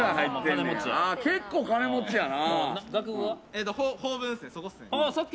結構金持ちやな。